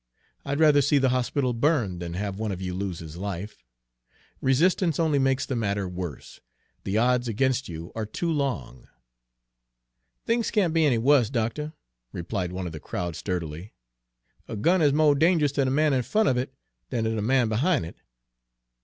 I'd rather see the hospital burn than have one of you lose his life. Resistance only makes the matter worse, the odds against you are too long." "Things can't be any wuss, doctuh," replied one of the crowd sturdily. "A gun is mo' dange'ous ter de man in front of it dan ter de man behin' it.